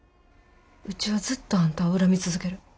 うちはずっとあんたを恨み続ける。